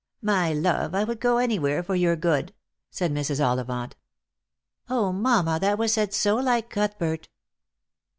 " My love, I would go anywhere for your good," said Mrs. OUivant. " mamma, that was said so like Cuthbert